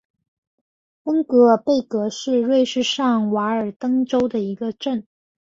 恩格尔贝格是瑞士上瓦尔登州的一个镇。